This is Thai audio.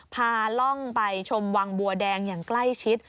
พาล่องไปชมวังบัวแดงอย่างใกล้ชิด